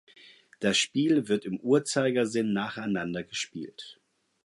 Das Spiel wird im Uhrzeigersinn nacheinander gespielt.